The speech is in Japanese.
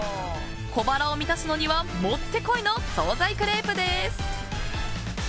小腹を満たすにはもってこいの総菜クレープです。